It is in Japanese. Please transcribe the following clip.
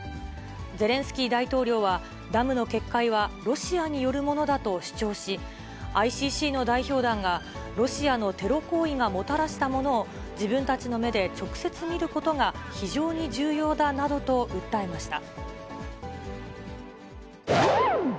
ゼレンスキー大統領はダムの決壊はロシアによるものだと主張し、ＩＣＣの代表団がロシアのテロ行為がもたらしたものを、自分たちの目で直接見ることが、非常に重要だなどと訴えました。